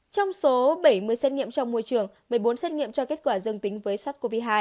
trong số bảy mươi xét nghiệm trong môi trường một mươi bốn xét nghiệm cho kết quả dương tính với sars cov hai